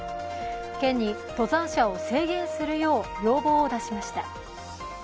県に登山者を制限するよう要望を出しました。